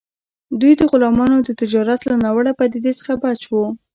دوی د غلامانو د تجارت له ناوړه پدیدې څخه بچ وو.